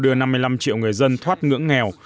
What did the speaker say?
đưa năm mươi năm triệu người dân thoát nghèo